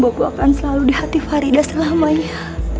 bagaimanapun boko akan selalu di hati farida selamanya